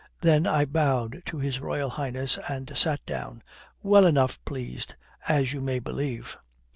Then I bowed to His Royal Highness and sat down, well enough pleased, as you may believe.